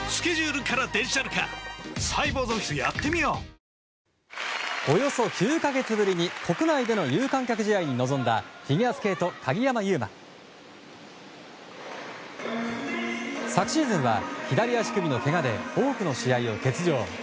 俺がこの役だったのにおよそ９か月ぶりに国内での有観客試合に臨んだフィギュアスケート、鍵山優真。昨シーズンは左足首のけがで多くの試合を欠場。